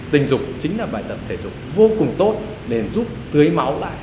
tình dục chính là bài tập thể dục vô cùng tốt nên giúp tưới máu lại